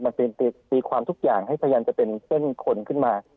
มันตีความทุกอย่างให้พยายามจะเป็นเส้นคนขึ้นมา